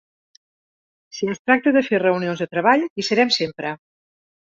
Si es tracta de fer reunions de treball, hi serem sempre.